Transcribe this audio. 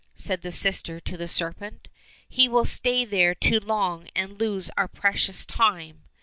" said the sister to the serpent ;" he will stay there too long and lose our precious time."